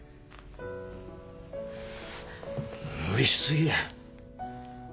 無理しすぎや。